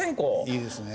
いいですね。